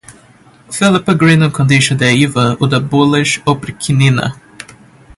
Philip agreed on condition that Ivan would abolish Oprichnina.